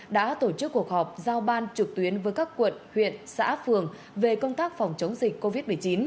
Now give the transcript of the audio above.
đã tổ chức cuộc họp giao ban trực tuyến với các quận huyện xã phường về công tác phòng chống dịch covid một mươi chín